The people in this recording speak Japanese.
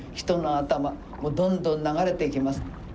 人の頭、どんどん流れていきます。